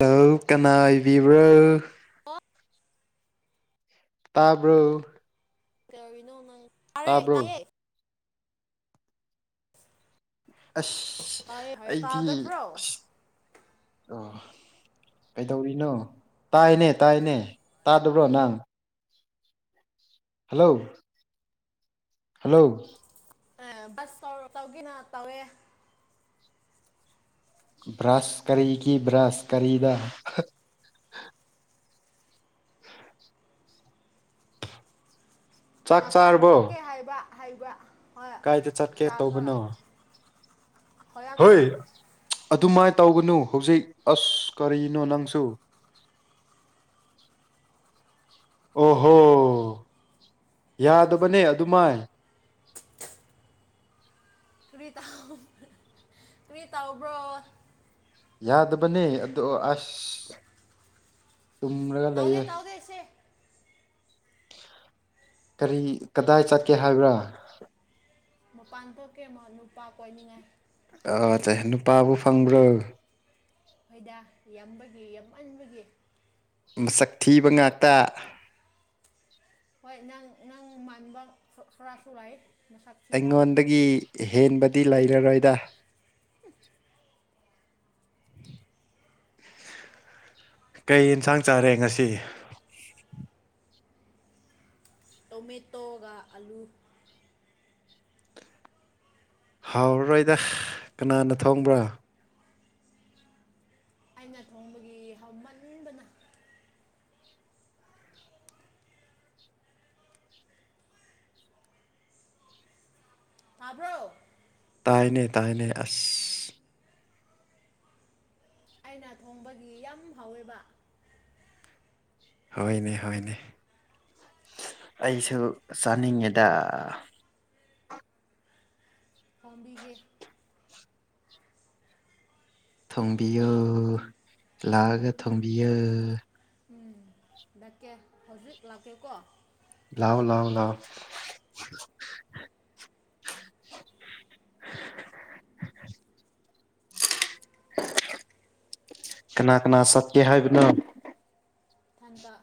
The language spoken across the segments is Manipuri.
ꯇ ꯀꯅꯥ ꯏꯕꯤꯕ꯭ꯔꯣ ꯑꯣ ꯇꯥꯕ꯭ꯔꯣ ꯅꯣ ꯅꯪ ꯇꯥꯔꯦ ꯇꯥꯕ꯭ꯔꯣ ꯇꯥꯏꯌꯦ ꯑꯁ ꯇꯥꯏꯌꯦ ꯍ ꯇꯥꯗꯕ꯭ꯔꯣ ꯑ ꯀꯩꯗꯧꯔꯤꯅꯣ ꯇꯥꯏꯅꯦ ꯇꯥꯏꯅꯦ ꯇꯥꯗꯕ꯭ꯔꯣ ꯅꯪ ꯍꯜꯂꯣ ꯍꯜꯂꯣ ꯑ ꯁ ꯇꯧꯒꯅꯥ ꯇꯋꯦ ꯕ꯭ꯔꯁ ꯀꯔꯤꯒꯤ ꯕ꯭ꯔꯁ ꯀꯔꯤꯗ [inaudible] ꯆꯥꯛ ꯃꯄꯥꯟ ꯆꯥꯔꯕꯣ ꯊꯣꯛꯀꯦ ꯍꯥꯏꯕ ꯍꯥꯏꯕ꯭ꯔ ꯍꯣꯏ ꯀꯥꯏꯗ ꯆꯠꯀꯦ ꯆꯥꯈ ꯇꯧꯕꯅꯣ ꯍꯣꯏ ꯑꯗꯨꯃꯥꯏꯅ ꯇꯧꯒꯅꯨ ꯍꯧꯖꯤꯛ ꯑꯁ ꯀꯔꯤꯅꯣ ꯅꯪꯁꯨ ꯑꯣꯍꯣ ꯌꯥꯗꯕꯅꯦ ꯑꯗꯨꯃꯥꯏ ꯀꯔꯤ ꯇ ꯀꯔꯤ ꯇꯥꯎꯕ꯭ꯔꯣ ꯌꯥꯗꯕꯅꯤ ꯑꯣ ꯑꯁ ꯇꯨꯝꯔꯒ ꯇꯧꯗꯦ ꯂꯩꯌꯦ ꯇꯧꯗꯦ ꯁꯦ ꯀꯔꯤ ꯀꯗꯥꯏ ꯆꯠꯀꯦ ꯍꯥꯏꯕ꯭ꯔꯥ ꯃꯄꯥꯟ ꯊꯣꯛꯀꯦ ꯅꯨꯄꯥ ꯀꯣꯏꯅꯤꯡꯉꯥꯏ ꯅꯨꯄꯥꯕꯨ ꯐꯪꯕ꯭ꯔꯣ ꯑꯩꯣꯏꯗ ꯌꯥꯝꯕꯒꯤ ꯌꯥꯝꯃꯟꯕꯒꯤ ꯃꯁꯛ ꯊꯤꯕ ꯉꯥꯛꯇ ꯍꯣꯏ ꯅꯪ ꯅꯪ ꯃꯥꯏꯕ ꯈꯣꯔꯁꯨꯨꯔꯥꯏ ꯑꯩꯉꯣꯟꯗꯒꯤ ꯍꯦꯟꯕꯗꯤ ꯂꯩꯔꯔꯣꯏꯗ [inaudible] ꯀꯩ ꯌꯦꯟꯁꯥꯡ ꯆꯥꯔꯦ ꯉꯁꯤ ꯇꯣꯃꯦꯇꯣꯒ ꯑꯂꯨ ꯍꯥꯎꯔꯔꯣꯏꯗ ꯀꯅꯥꯅ ꯊꯣꯡꯕ꯭ꯔꯥ ꯑꯩꯅ ꯊꯣꯡꯕꯒꯤ ꯍꯃꯟꯕꯅ ꯇꯥꯕ꯭ꯔꯣ ꯇꯥꯏꯅꯦ ꯇꯥꯅꯦ ꯑꯁ ꯑꯩꯅ ꯊꯣꯡꯕꯒꯤ ꯌꯥꯝ ꯍꯥꯎꯋꯦꯕ ꯍꯣꯏꯅꯦ ꯍꯣꯏꯅꯦ ꯑꯩꯁꯨ ꯆꯥꯅꯤꯡꯉꯤꯗ ꯑꯣꯝꯕꯤꯒꯦ ꯊꯣꯡꯕꯤꯌꯨ ꯂꯥꯛꯑꯒ ꯊꯣꯡꯕꯤꯌ ꯎꯝ ꯂꯀꯦ ꯍꯧꯖꯤꯛ ꯂꯥꯛꯀꯦꯀꯣ ꯂꯑꯣ ꯂꯑꯣ ꯂꯑꯣ ꯀꯅꯥ ꯀꯅꯥ ꯁꯇꯦ ꯍꯥꯏꯕꯅ ꯊꯟꯗ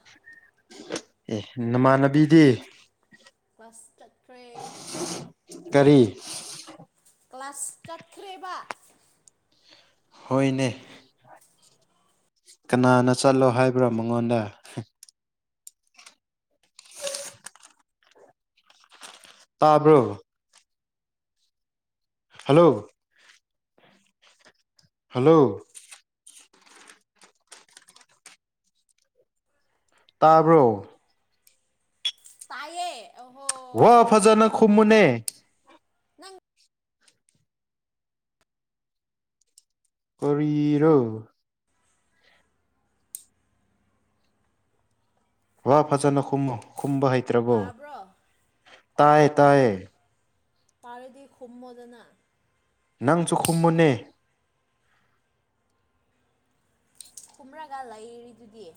ꯑꯦ ꯅꯃꯥꯟꯅꯕꯤꯗꯤ ꯀ꯭ꯂꯁ ꯆꯠꯈ꯭ꯔꯦ ꯀꯔꯤ ꯀ꯭ꯂꯥꯁ ꯆꯠꯈ꯭ꯔꯦꯕ ꯍꯅꯦ ꯀꯅꯥꯅ ꯆꯠꯂꯣ ꯍꯥꯏꯕ꯭ꯔꯣ ꯃꯉꯣꯟꯗ ꯇꯥꯕ꯭ꯔꯣ ꯍꯜꯂꯣ ꯍꯜꯂꯣ ꯇꯥꯕ꯭ꯔꯣ ꯇꯥꯏꯌꯦꯌꯦ ꯑꯣ ꯍꯣ ꯋꯥ ꯐꯖꯅ ꯈꯨ ꯃꯨꯅꯦ ꯅꯪ ꯀꯔꯣ ꯋꯥ ꯐꯖꯅꯨꯝ ꯈꯨꯝꯕ ꯍꯩꯇ꯭ꯔꯕꯣ ꯇꯥꯕ꯭ꯔꯣ ꯇꯥꯏꯌꯦ ꯇꯥꯏꯌꯦ ꯇꯥꯔꯦꯗꯤ ꯍꯨꯃꯗꯅꯥ ꯅꯪꯁꯨꯈꯨꯝ ꯃꯅꯦ ꯀꯨꯝꯔꯒ ꯂꯩꯔꯤꯗꯨꯗꯤ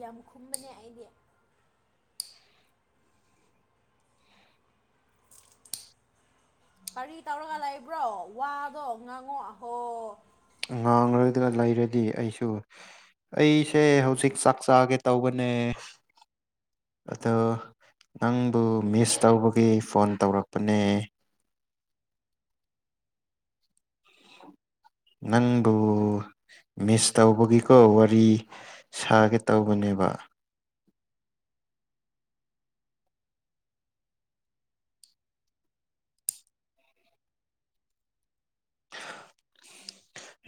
ꯌꯥꯝ ꯈꯨꯝꯕꯅꯦ ꯑꯩꯗꯤ ꯀꯔꯤ ꯇꯧꯔꯒ ꯂꯩꯕ꯭ꯔꯣ ꯋꯥꯗꯣ ꯉꯥꯡꯉꯣ ꯑꯍꯣ ꯉꯥꯡꯂꯒ ꯂꯩꯔꯗꯤ ꯑꯩꯁꯨ ꯑꯩꯁꯦ ꯍꯧꯖꯤꯛ ꯆꯥꯛ ꯆꯥꯒꯦ ꯇꯧꯕꯅꯦ ꯑꯗꯣ ꯅꯪꯕꯨ ꯃꯤꯁ ꯇꯧꯕꯒꯤ ꯐꯣꯟ ꯇꯧꯔꯛꯄꯅꯦ ꯅꯪꯕꯨ ꯃꯤꯁ ꯇꯧꯕꯒꯤꯀꯣ ꯋꯥꯔꯤ ꯁꯥꯒꯦ ꯇꯧꯕꯅꯦꯕ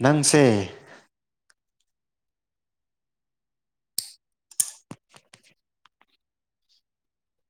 ꯅꯪꯁꯦ